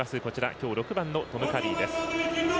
今日、６番のトム・カリーです。